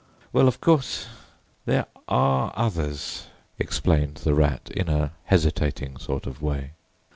"Well, of course—there—are others," explained the Rat in a hesitating sort of way.